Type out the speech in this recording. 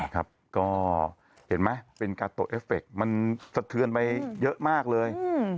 ก็เห็นมั้ยเป็นการตรวจเอฟเฟคมันสะเทือนไปเยอะมากเลย